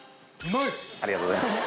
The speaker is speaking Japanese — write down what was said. ありがとうございます。